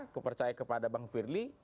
kepercaya kepada bang verly